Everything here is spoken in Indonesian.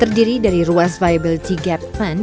terdiri dari ruas viability gap fund